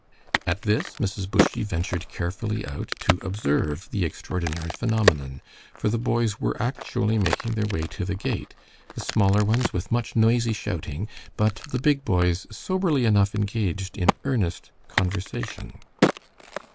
At this Mrs. Bushy ventured carefully out to observe the extraordinary phenomenon, for the boys were actually making their way to the gate, the smaller ones with much noisy shouting, but the big boys soberly enough engaged in earnest conversation.